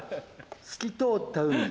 透き通った海！